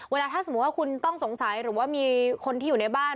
ถ้าสมมุติว่าคุณต้องสงสัยหรือว่ามีคนที่อยู่ในบ้าน